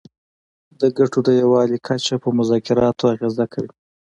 د ګټو د یووالي کچه په مذاکراتو اغیزه کوي